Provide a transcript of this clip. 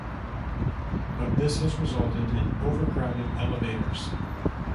But this has resulted in overcrowded elevators.